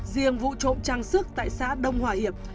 riêng vụ trộm trang sức tại xã đông hòa hiệp